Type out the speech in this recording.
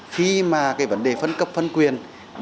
khi mà vấn đề phân cập phân quyền